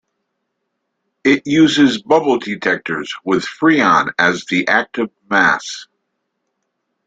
It uses bubble detectors with Freon as the active mass.